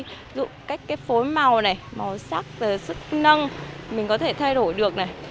ví dụ cách cái phối màu này màu sắc sức nâng mình có thể thay đổi được này